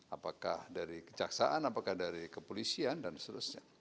apakah dari kejaksaan apakah dari kepolisian dan seterusnya